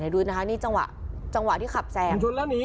ดูดินะครับนี่จังหวะที่ขับแซง